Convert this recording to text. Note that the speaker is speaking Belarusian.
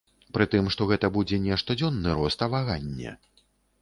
Пры тым, што гэта будзе не штодзённы рост, а ваганне.